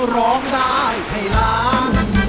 ร้องได้ให้ล้าน